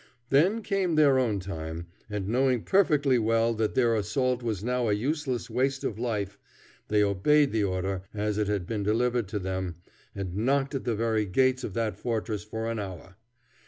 Then came their own time, and knowing perfectly well that their assault was now a useless waste of life, they obeyed the order as it had been delivered to them, and knocked at the very gates of that fortress for an hour.